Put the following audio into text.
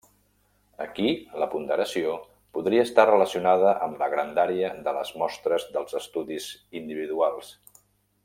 Aquí, la ponderació podria estar relacionada amb la grandària de les mostres dels estudis individuals.